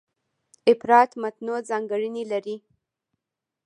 افراد متنوع ځانګړنې لري.